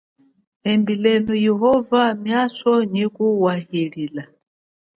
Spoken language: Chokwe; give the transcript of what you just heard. Embilenu Yehova miaso yaha nyi kuwaila.